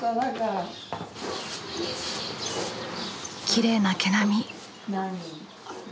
きれいな毛並み。